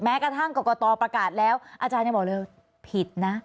กระทั่งกรกตประกาศแล้วอาจารย์ยังบอกเลยผิดนะ